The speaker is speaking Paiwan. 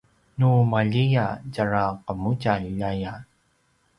nu maljiya tjara qemudjalj aya